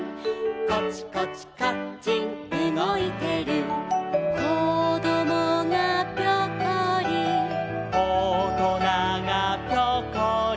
「コチコチカッチンうごいてる」「こどもがピョコリ」「おとながピョコリ」